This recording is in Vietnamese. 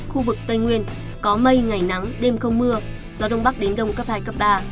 khu vực tây nguyên có mây ngày nắng đêm không mưa gió đông bắc đến đông cấp hai cấp ba